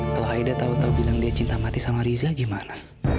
kalau aida tau tau bilang dia cinta mati sama riza gimana